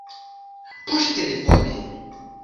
poŝtelefone